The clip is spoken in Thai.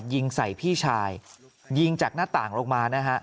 ยิงใส่พี่ชายยิงจากหน้าต่างลงมานะฮะ